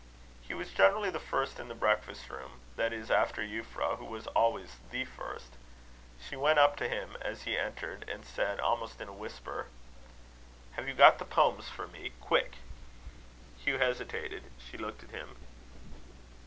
He was generally the first in the breakfast room; that is, after Euphra, who was always the first. She went up to him as he entered, and said, almost in a whisper: "Have you got the poems for me? Quick!" Hugh hesitated. She looked at him.